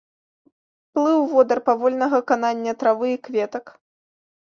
Плыў водар павольнага канання травы і кветак.